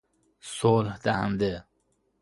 صلح دهنده